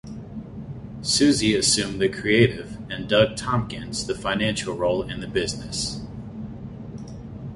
Susie assumed the creative and Doug Tompkins the financial role in the business.